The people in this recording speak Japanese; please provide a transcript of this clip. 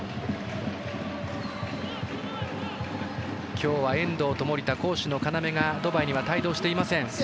今日は遠藤と守田、攻守の要がドバイには帯同していません。